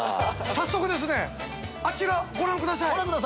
早速ですねあちらご覧ください。